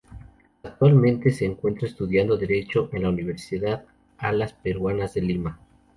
Actualmente se encuentra estudiando Derecho en la Universidad Alas Peruanas de Lima.